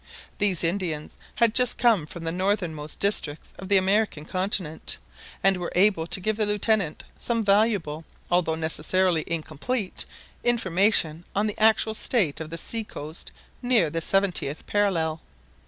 These Indians had just come from the northernmost districts of the American continent, and were able to give the Lieutenant some valuable, although necessarily incomplete, information on the actual state of the sea coast near the seventieth parallel.